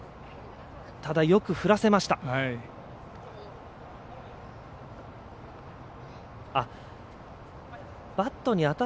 ただ、よく振らせました。